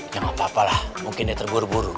ya gapapa lah mungkin ya terburu buru